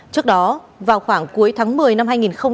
trước đó vào khoảng cuối tháng một mươi năm hai nghìn hai mươi